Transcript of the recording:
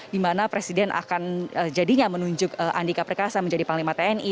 di mana presiden akan jadinya menunjuk andika perkasa menjadi panglima tni